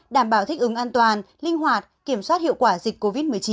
đảm bảo thích ứng an toàn linh hoạt kiểm soát hiệu quả dịch covid một mươi chín